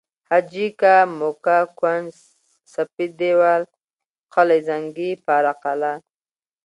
حاجي که، موکه، کونج، سپید دیوال، قل زنگي، پاره قلعه